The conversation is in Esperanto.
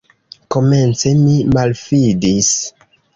Komence mi malfidis.